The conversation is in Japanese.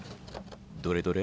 どれどれ？